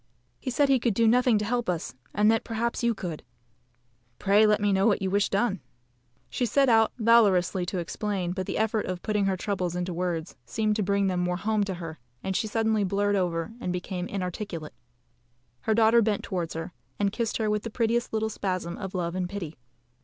"He said he could do nothing to help us, and that perhaps you could." "Pray let me know what you wish done." She set out valorously to explain; but the effort of putting her troubles into words seemed to bring them more home to her, and she suddenly blurred over and became inarticulate. Her daughter bent towards her, and kissed her with the prettiest little spasm of love and pity.